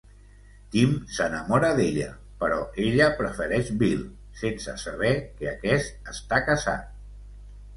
Tim s'enamora d'ella, però ella prefereix Bill, sense saber que aquest està casat.